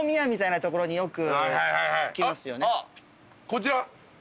こちら。